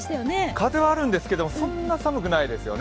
風はあるんですけどそんなに寒くないですよね。